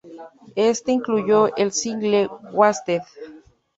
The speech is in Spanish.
Este incluyó el single "Wasted".